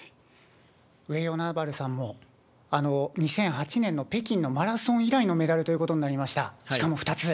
上与那原さんも、２００８年の北京のマラソン以来のメダルということになりました。